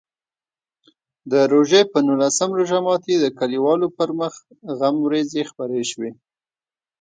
د روژې په نولسم روژه ماتي د کلیوالو پر مخ غم وریځې خپرې شوې.